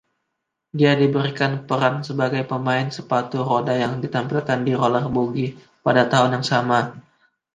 Dia diberikan peran sebagai pemain sepatu roda yang ditampilkan di “Roller Boogie” pada tahun yang sama.